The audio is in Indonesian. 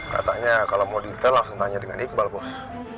katanya kalau mau dita langsung tanya dengan iqbal bos